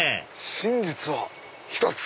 真実は１つ！